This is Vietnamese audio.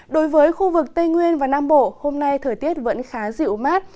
đối với khu vực tây nguyên và nam bộ hôm nay thời tiết vẫn khá dịu mát